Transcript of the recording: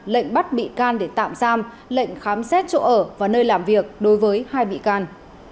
lệnh bắt bị can để tạm giam lệnh khám xét chỗ ở và nơi làm việc đối với hai bị can